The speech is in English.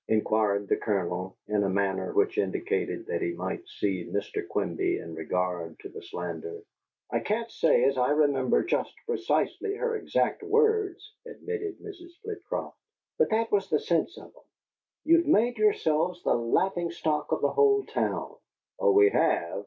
inquired the Colonel, in a manner which indicated that he might see Mr. Quimby in regard to the slander. "I can't say as I remember just precisely her exact words," admitted Mrs. Flitcroft, "but that was the sense of 'em! You've made yourselves the laughin' stock of the whole town!" "Oh, we have?"